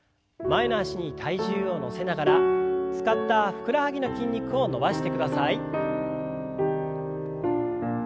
前の脚に体重を乗せながら使ったふくらはぎの筋肉を伸ばしてください。